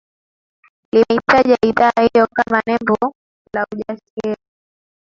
limeitaja idhaa hiyo kama nembo la ujasiri